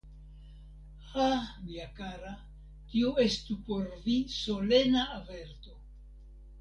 Ha, mia kara, tio estu por vi solena averto.